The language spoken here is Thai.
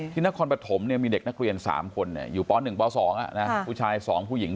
นครปฐมมีเด็กนักเรียน๓คนอยู่ป๑ป๒ผู้ชาย๒ผู้หญิง